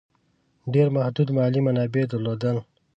ډېر محدود مالي منابع درلودل.